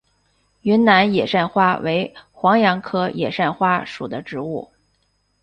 云南野扇花为黄杨科野扇花属的植物。